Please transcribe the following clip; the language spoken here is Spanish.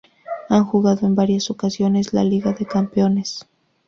Han jugado en varias ocasiones la Liga de Campeones.